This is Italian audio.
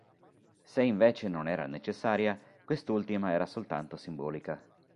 Se, invece, non era necessaria, quest'ultima era soltanto simbolica.